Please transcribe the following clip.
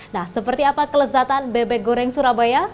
nah seperti apa kelezatan bebek goreng surabaya